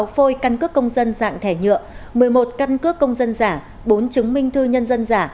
một mươi phôi căn cước công dân dạng thẻ nhựa một mươi một căn cước công dân giả bốn chứng minh thư nhân dân giả